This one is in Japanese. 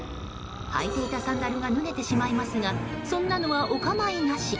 履いていたサンダルが脱げてしまいますがそんなのはお構いなし。